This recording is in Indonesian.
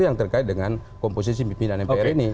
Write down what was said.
yang terkait dengan komposisi pimpinan mpr ini